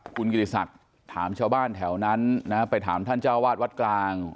คุณกิติศักดิ์ถามชาวบ้านแถวนั้นนะไปถามท่านเจ้าวาดวัดกลาง